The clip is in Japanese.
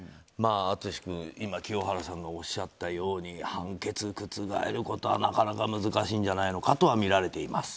淳君、今清原さんがおっしゃったように判決が覆ることはなかなか難しいんじゃないかとはみられています。